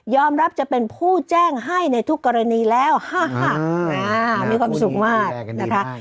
รับจะเป็นผู้แจ้งให้ในทุกกรณีแล้วมีความสุขมากนะคะ